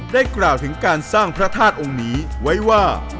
กล่าวถึงการสร้างพระธาตุองค์นี้ไว้ว่า